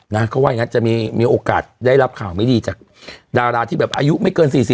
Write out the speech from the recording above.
นะเขาว่าอย่างนั้นจะมีโอกาสได้รับข่าวไม่ดีจากดาราที่แบบอายุไม่เกิน๔๐